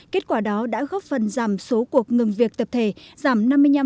kết quả đó đã góp phần giảm số cuộc ngừng việc tập thể giảm năm mươi năm